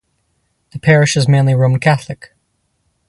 The parish is mainly Roman Catholic.